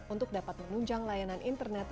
untuk dapat menunjang layanan internet